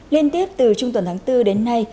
liên tiếp từ trung tuần tháng bốn đến nay